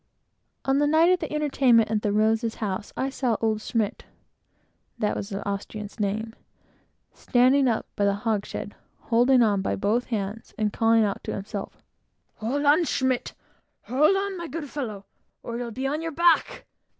On the night of the entertainment at the Rosa's house, I saw old Schmidt, (that was the Austrian's name) standing up by a hogshead, holding on by both hands, and calling out to himself "Hold on, Schmidt! hold on, my good fellow, or you'll be on your back!"